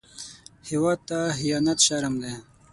هېواد ته خيانت شرم دی